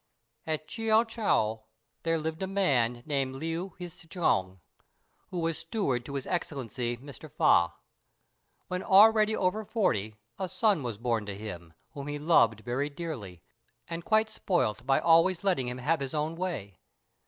At Chiao chou there lived a man named Liu Hsi ch'uan, who was steward to His excellency Mr. Fa. When already over forty a son was born to him, whom he loved very dearly, and quite spoilt by always letting him have his own way.